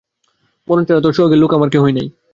মরণ ছাড়া তো সোহাগের লোক আমার আর কেহই নাই।